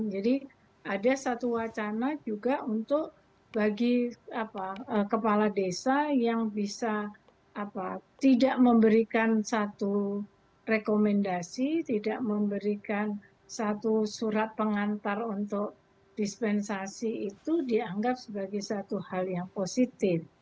jadi ada satu wacana juga untuk bagi kepala desa yang bisa tidak memberikan satu rekomendasi tidak memberikan satu surat pengantar untuk dispensasi itu dianggap sebagai satu hal yang positif